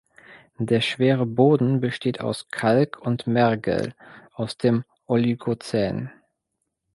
Der schwere Boden besteht aus Kalk und Mergel aus dem Oligozän.